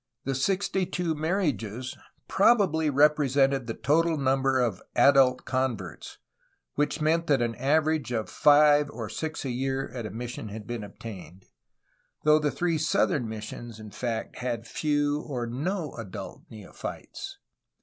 The sixty two marriages probably represented the total number of adult converts, which meant that an average of five or six a year at a mission had been obtained, though the three southern missions in fact had few or no adult neophytes.